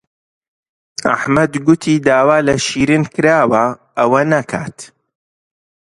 ئەحمەد گوتی داوا لە شیرین کراوە ئەوە نەکات.